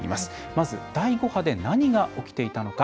まず第５波で何が起きていたのか。